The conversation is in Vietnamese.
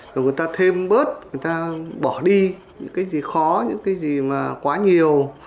rồi người ta thêm bớt người ta bỏ đi những cái gì khó những cái gì mà quá nhiều